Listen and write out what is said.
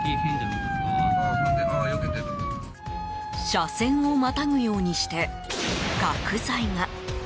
車線をまたぐようにして角材が。